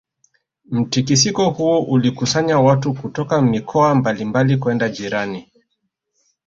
Mtikisiko huo ulikusanya watu kutoka mikoa mbali mbali kwenda jirani